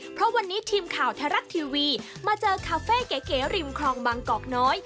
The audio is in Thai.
เพราะวันนี้ทีมข่าวไทยรัฐทีวีมาเจอคาเฟ่เก๋ริมคลองบางกอกน้อย